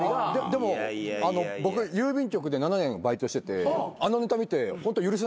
でも僕郵便局で７年バイトしててあのネタ見てホント許せないなって。